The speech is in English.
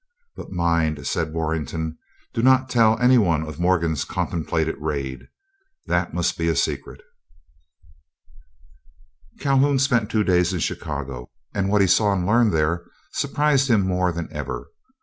"But mind," said Warrenton, "do not tell any one of Morgan's contemplated raid. That must be a secret." Calhoun spent two days in Chicago, and what he saw and learned there surprised him more than ever.